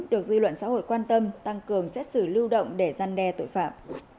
được dư luận xã hội quan tâm tăng cường xét xử lưu động để gian đe tội phạm